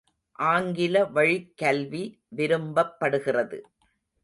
ஆங்கில வழிக் கல்வி விரும்பப்படுகிறது.